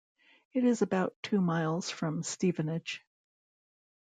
It is about two miles from Stevenage.